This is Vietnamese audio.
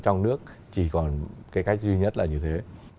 trong nước chỉ còn cái cách duy nhất là như thế